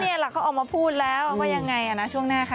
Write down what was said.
นี่แหละเขาออกมาพูดแล้วว่ายังไงนะช่วงหน้าค่ะ